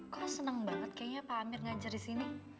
kok senang banget kayaknya pak amir ngajar di sini